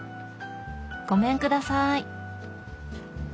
ごめんください。